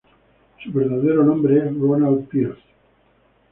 Su verdadero nombre es Ronald Pierce.